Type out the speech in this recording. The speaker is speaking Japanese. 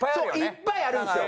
いっぱいあるんですよ。